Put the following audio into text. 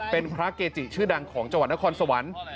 เป็นพระเกจิชื่อดังของจังหวัดนครสวรรค์